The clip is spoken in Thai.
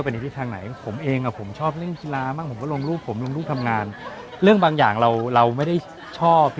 คือในความรู้สึกผมถ้าเกิดพูดถึงเรื่องลงรูป